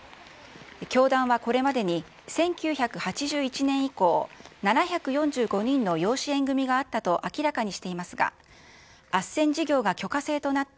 教団はこれまでに、１９８１年以降、７４５人の養子縁組があったと明らかにしていますが、あっせん事業が許可制となった